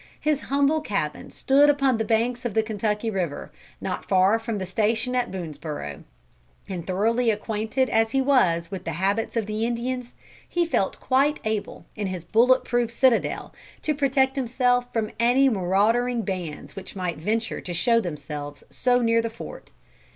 His humble cabin stood upon the banks of the Kentucky River, not far from the station at Boonesborough. And thoroughly acquainted as he was with the habits of the Indians, he felt quite able, in his bullet proof citadel, to protect himself from any marauding bands which might venture to show themselves so near the fort.